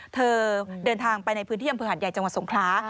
เธอเดินทางไปในอำเภอหาดใหญ่จังหวัดสงครา